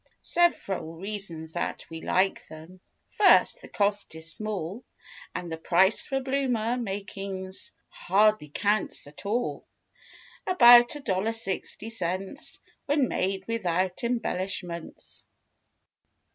Sev'ral reasons that we like them— First, the cost is small And the price for bloomer makings Hardly counts at all; About a dollar sixty cents When made without embellishments.